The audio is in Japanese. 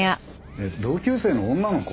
えっ同級生の女の子？